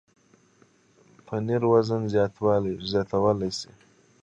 پنېر وزن زیاتولی شي.